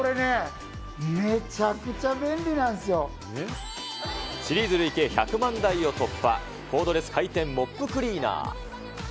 これね、シリーズ累計１００万台を突破、コードレス回転モップクリーナー。